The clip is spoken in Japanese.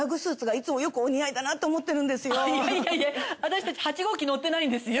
いやいや私たち８号機乗ってないんですよ。